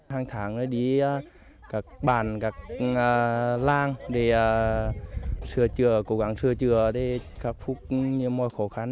hàng tháng đi các bàn các làng để sửa chữa cố gắng sửa chữa để khắc phục nhiều mọi khó khăn